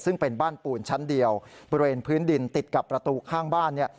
ซึ่งเป็นบ้านปูนชั้นเดียวบริเวณพื้นดินติดกับประตูข้างบ้านเนี่ย